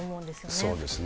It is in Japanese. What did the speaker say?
そうですね。